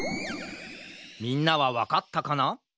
みんなはわかったかな？